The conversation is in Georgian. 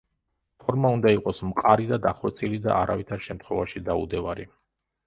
ფორმა უნდა იყოს მყარი და დახვეწილი და არავითარ შემთხვევაში დაუდევარი.